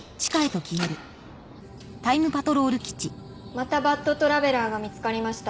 またバッドトラベラーが見つかりました